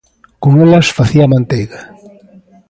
Con elas facía a manteiga.